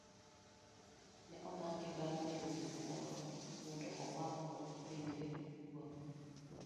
Ne omake bang' nego guok moro mondo owang'go ringrene owuon